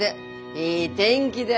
いい天気だよ！